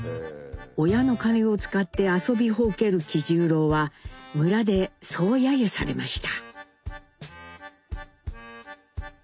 親の金を使って遊びほうける喜十郎は村でそう揶揄されました。